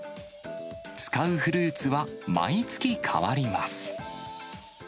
使うフルーツは毎月変わります。